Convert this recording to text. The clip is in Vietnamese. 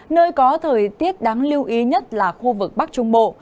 nơi có thời tiết đáng lưu ý nhất là khu vực bắc trung bộ